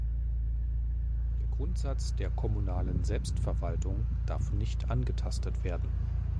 Der Grundsatz der kommunalen Selbstverwaltung darf nicht angetastet werden.